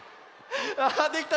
わできた！